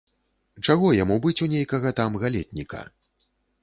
Чаго яму быць у нейкага там галетніка?